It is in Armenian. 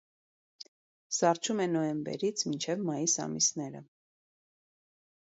Սառչում է նոյեմբերից մինչև մայիս ամիսները։